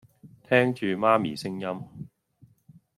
聽住媽咪聲音